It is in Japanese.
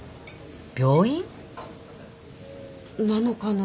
病院？なのかなぁ？